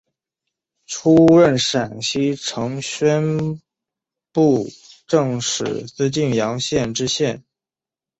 出任陕西承宣布政使司泾阳县知县。